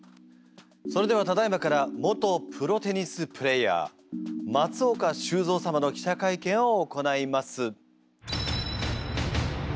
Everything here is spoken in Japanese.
それではただいまから元プロテニスプレーヤー松岡修造様の記者会見を行います。